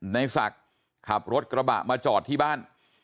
ในศักดิ์ขับรถกระบะมาจอดที่บ้าน